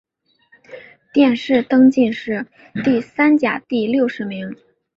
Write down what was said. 殿试登进士第三甲第六十名。